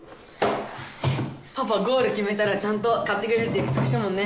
パパゴール決めたらちゃんと買ってくれるって約束したもんね。